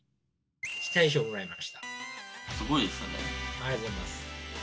ありがとうございます。